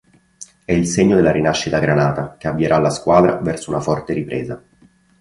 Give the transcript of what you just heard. È il segno della rinascita granata, che avvierà la squadra verso una forte ripresa.